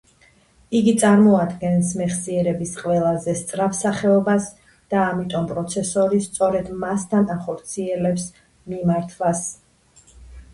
იგი წარმოადგენს მეხსიერების ყველაზე სწრაფ სახეობას და ამიტომ პროცესორი სწორედ მასთან ახორციელებს მიმართვას